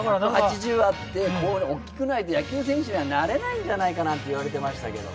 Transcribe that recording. あって、大きくないと野球選手にはなれないんじゃないかと言われてましたけど。